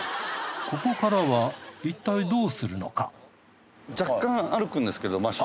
ここからはいったいどうするのか？